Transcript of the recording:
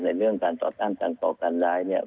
ในเรื่องการต่อต้านต่างต่อการร้าย